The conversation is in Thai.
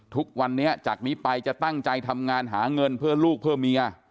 ทุกวันนี้จากนี้ไปจะตั้งใจทำงานหาเงินเพื่อลูกเพื่อเมีย